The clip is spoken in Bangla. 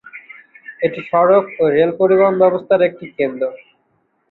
এটি সড়ক ও রেল পরিবহন ব্যবস্থার একটি কেন্দ্র।